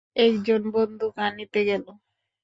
এক জন বন্দুক আনিতে গেল।